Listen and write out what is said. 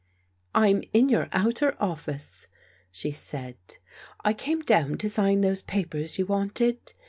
" I'm in your outer office," she said. " I came down to sign those papers you wanted.